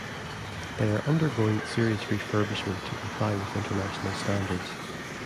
They are undergoing serious refurbishment to comply with international standards.